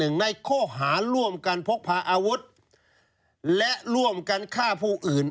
ในข้อหาร่วมกันพกพาอาวุธและร่วมกันฆ่าผู้อื่น